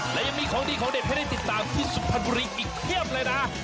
และยังมีของดีของเด็ดให้ได้ติดตามที่สุพรรณบุรีอีกเพียบเลยนะ